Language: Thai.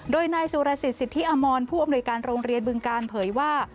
โดยนายสุรสิทธิสิทธิอมรผู้อำนวยการโรงเรียนบึงการเผยว่า